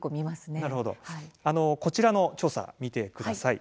なるほどこちらの調査を見てください。